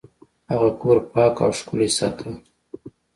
هغه کور پاک او ښکلی ساته.